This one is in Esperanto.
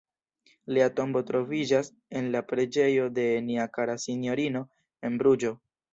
Lia tombo troviĝas en la "preĝejo de nia kara sinjorino" en Bruĝo.